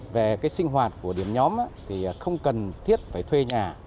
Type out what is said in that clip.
về sinh hoạt của điểm nhóm không cần thiết phải thuê nhà